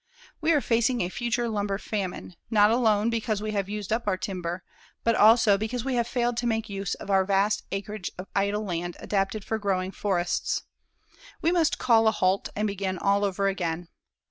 We are facing a future lumber famine, not alone because we have used up our timber, but also because we have failed to make use of our vast acreage of idle land adapted for growing forests. We must call a halt and begin all over again.